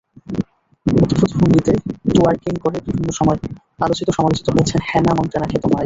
অদ্ভুত ভঙ্গিতে টোয়ার্কিং করে বিভিন্ন সময় আলোচিত-সমালোচিত হয়েছেন হ্যানা মন্টেনাখ্যাত মাইলি।